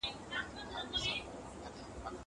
قلمان د زده کوونکي له خوا پاکيږي.